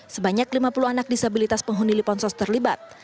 sebanyak lima puluh anak disabilitas penghuni liponsos terlibat